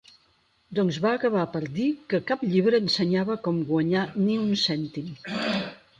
Doncs va acabar per dir que cap llibre ensenyava com guanyar ni un cèntim.